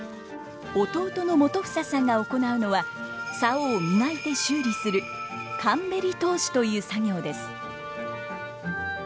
弟の元英さんが行うのは棹を磨いて修理する「かんべり通し」という作業です。